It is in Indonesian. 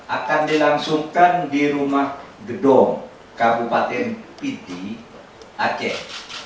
akan dilangsungkan di rumah gedung kabupaten piti aceh